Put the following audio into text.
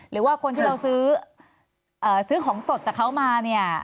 หรือว่าคนที่เราซื้อของสดจากเขามาเนี่ย